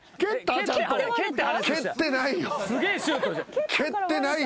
蹴ってないよ。